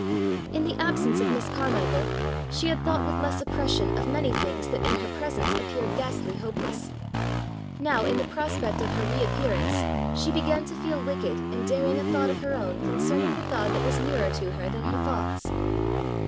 In the absence of Miss Carmichael she had thought with less oppression of many things that in her presence appeared ghastly hopeless; now in the prospect of her reappearance she began to feel wicked in daring a thought of her own concerning the God that was nearer to her than her thoughts!